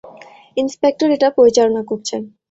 Inspector এটা পরিচালনা করছেন।